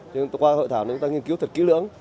nhưng qua hội thảo chúng ta nghiên cứu thật kỹ lưỡng